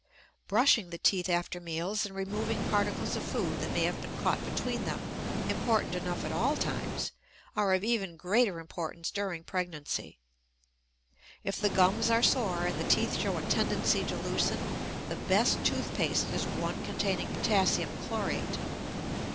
Brushing the teeth after meals and removing particles of food that may have been caught between them important enough at all times are of even greater importance during pregnancy. If the gums are sore and the teeth show a tendency to loosen, the best tooth paste is one containing potassium chlorate.